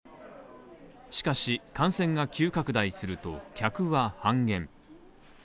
しかし、感染が急拡大すると、客は半減。